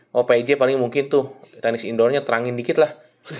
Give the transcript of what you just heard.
kalau pj paling mungkin tuh teknik indoornya terangin dikit lah